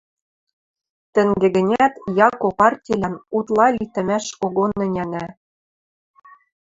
Тӹнге гӹнят Яко партилӓн утла литӹмӓш когон ӹнянӓ.